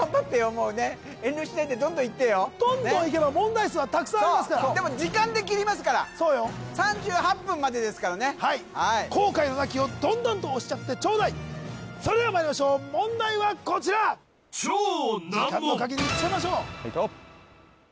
もうね遠慮しないでどんどんいってよどんどんいけば問題数はたくさんありますからでも時間で切りますから３８分までですからね後悔のなきようどんどん押しちゃってちょうだいそれではまいりましょう問題はこちら時間の限りいっちゃいましょう